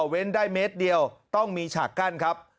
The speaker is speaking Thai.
เว้นได้เมตรเดียวต้องมีฉากกั้นครับ